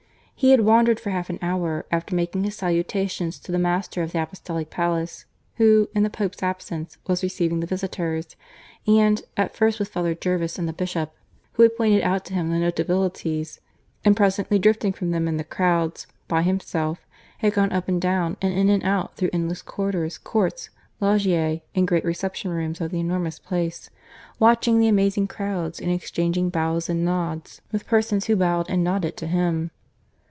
He had wandered for half an hour, after making his salutations to the Master of the Apostolic Palace, who, in the Pope's absence, was receiving the visitors; and, at first with Father Jervis and the Bishop, who had pointed out to him the notabilities, and presently drifting from them in the crowds, by himself, had gone up and down and in and out through endless corridors, courts, loggie, and great reception rooms of the enormous place, watching the amazing crowds, and exchanging bows and nods with persons who bowed and nodded to him.